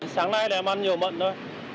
sáng nay em ăn nhiều mận thôi